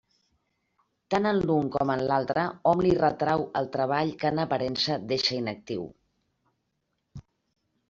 Tant en l'un com en l'altre, hom li retrau el treball que en aparença deixa inactiu.